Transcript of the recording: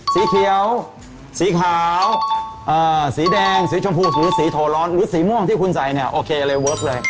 สีเขียวสีขาวสีแดงสีชมพูหรือสีโถร้อนหรือสีม่วงที่คุณใส่เนี่ยโอเคเลยเวิร์คเลย